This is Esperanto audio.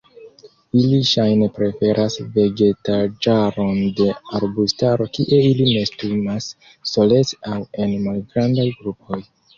Ili ŝajne preferas vegetaĵaron de arbustaro kie ili nestumas solece aŭ en malgrandaj grupoj.